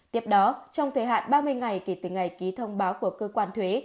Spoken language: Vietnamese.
tiếp đó trong thời hạn ba mươi ngày kể từ ngày ký thông báo của cơ quan thuế